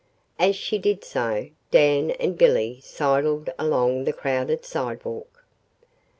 As she did so, Dan and Billy sidled along the crowded sidewalk.